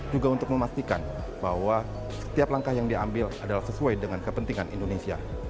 juga untuk memastikan bahwa setiap langkah yang diambil adalah sesuai dengan kepentingan indonesia